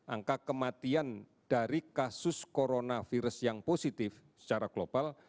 angka kematian dari kasus coronavirus yang positif secara global